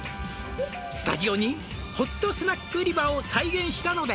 「スタジオにホットスナック売り場を再現したので」